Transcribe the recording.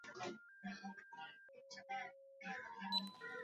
maslahi yako maalum unaweza kufanya zaidi ya safari